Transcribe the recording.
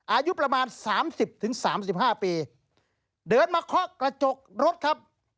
อายุประมาณ๓๐๓๕ปีเดินมาคอกกระจกรถครับ